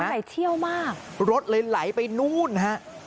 น้ำไหนเที่ยวมากรถเลยไหลไปนู้นฮะ